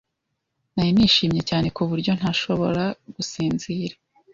Nari nishimye cyane ku buryo ntashobora gusinzira.